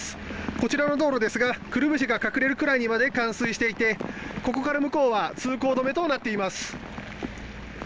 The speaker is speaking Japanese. こちらの道路ですがくるぶしが隠れるくらいにまで冠水していてここから向こうは通行止めとなっています。